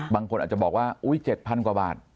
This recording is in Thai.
บางคนอาจจะบอกว่าอุ๊ย๗๐๐กว่าบาท